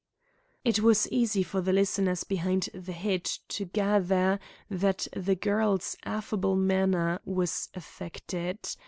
It was easy for the listeners behind the hedge to gather that the girl's affable manner was affected.